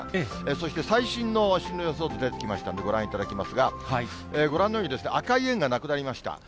そして最新の進路予想図出てきましたんでご覧いただきますが、ご覧のように、赤い円がなくなりました。